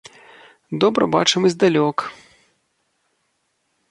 Добра бачым і здалёк.